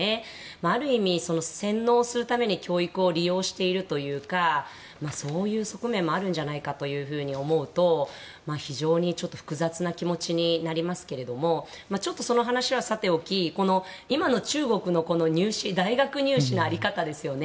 ある意味、洗脳するために教育を利用しているというかそういう側面もあるんじゃないかと思うと非常に複雑な気持ちになりますけれどもその話はさておき今の中国の大学入試の在り方ですよね。